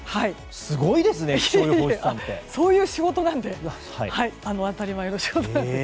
すごいですねそういう仕事なので当たり前の仕事なので。